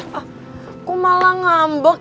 kok malah ngambek